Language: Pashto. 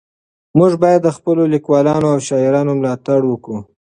موږ باید د خپلو لیکوالانو او شاعرانو ملاتړ وکړو.